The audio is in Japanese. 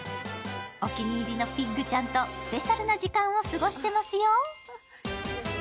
お気に入りのピッグちゃんとスペシャルな時間を過ごしてますよ。